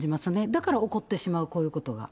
だから起こってしまう、こういうことが。